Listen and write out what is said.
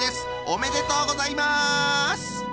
おめでとうございます！